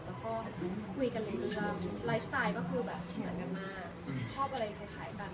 แล้วก็คุยกันเรื่องชื่อไลฟ์สไตล์ก็คืออายุอะไรมากชอบอะไรคล้ายกัน